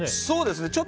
そうですね。